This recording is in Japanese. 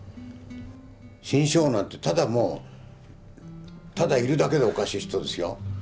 志ん生なんてただいるだけでおかしい人ですよ。